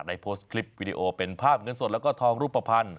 ได้โพสต์คลิปวิดีโอเป็นภาพเงินสดแล้วก็ทองรูปภัณฑ์